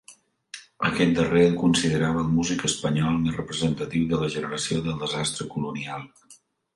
Aquest darrer el considerava el músic espanyol més representatiu de la generació del desastre colonial.